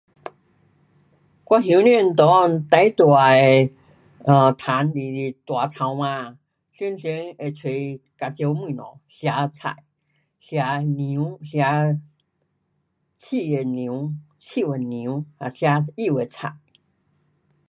我乡村内最大的 um 虫就是大草蜢，常常会出 kacau 东西，吃菜，吃叶，吃树的叶，树的叶，啊吃树的菜。